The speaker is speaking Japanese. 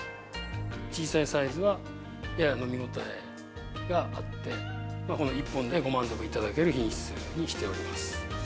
小さいサイズはやや飲み応えがあって、この１本でご満足いただける品質にしております。